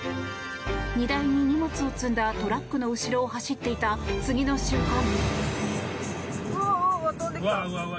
荷台に荷物を積んだトラックの後ろを走っていた次の瞬間。